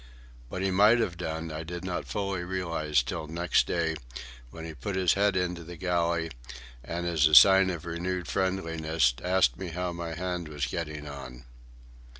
What he might have done I did not fully realize till next day, when he put his head into the galley, and, as a sign of renewed friendliness, asked me how my arm was getting on.